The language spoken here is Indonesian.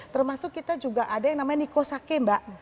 termasuk kita juga ada yang namanya nikosake mbak